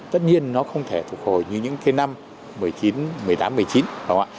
tất nhiên nó không thể phục hồi như những cái năm một mươi chín một mươi tám một mươi chín đúng không ạ